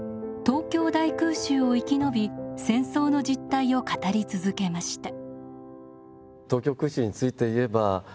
東京大空襲を生き延び戦争の実態を語り続けました。